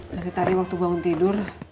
dari tari waktu bangun tidur